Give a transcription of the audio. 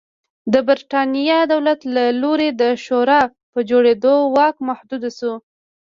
د برېټانیا دولت له لوري د شورا په جوړېدو واک محدود شو.